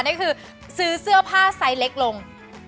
นั่นคือซื้อเสื้อผ้าไซส์เล็กลง